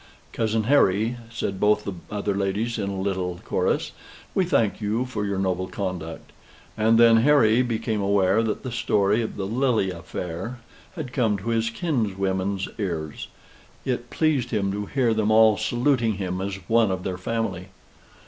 "Cousin Harry," said both the other ladies, in a little chorus, "we thank you for your noble conduct;" and then Harry became aware that the story of the Lille affair had come to his kinswomen's ears. It pleased him to hear them all saluting him as one of their family.